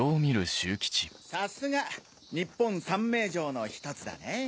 さすが日本三名城の１つだねぇ。